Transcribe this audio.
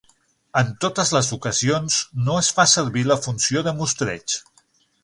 En totes les ocasions no es fa servir la funció de mostreig.